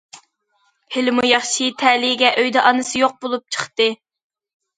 ھېلىمۇ ياخشى تەلىيىگە ئۆيدە ئانىسى يوق بولۇپ چىقتى.